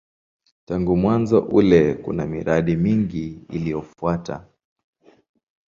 Tangu mwanzo ule kuna miradi mingi iliyofuata.